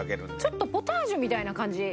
ちょっとポタージュみたいな感じ。